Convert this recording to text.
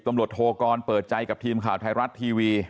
ตำรวจโทกรเปิดใจกับทีมข่าวไทยรัฐทีวี